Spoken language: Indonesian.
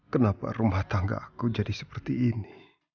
kenapa rumah tangga aku jadi seperti ini